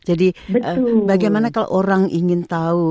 jadi bagaimana kalau orang ingin tahu